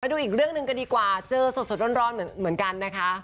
ดูอีกเรื่องหนึ่งกันดีกว่าเจอสดร้อนเหมือนกันนะคะ